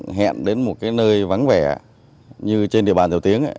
các đối tượng hẹn đến một nơi vắng vẻ như trên địa bàn tiểu tiếng